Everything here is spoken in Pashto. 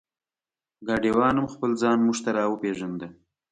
ګاډیوان هم خپل ځان مونږ ته را وپېژنده.